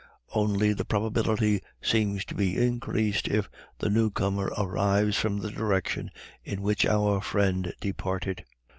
Only the probability seems to be increased if the newcomer arrives from the direction in which our friend departed.